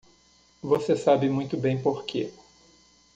Você sabe muito bem porque.